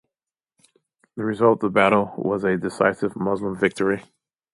The result of the battle was a decisive Muslim victory.